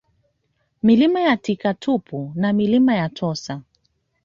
Milima ya Tikatupu na Milima ya Tossa